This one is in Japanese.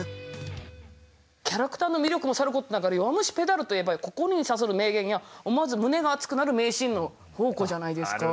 キャラクターの魅力もさることながら「弱虫ペダル」といえば心に刺さる名言や思わず胸が熱くなる名シーンの宝庫じゃないですか。